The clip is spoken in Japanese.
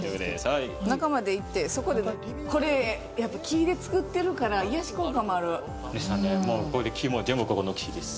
はい中まで行ってそこでこれやっぱ木でつくってるから癒やし効果もある木も全部ここの木です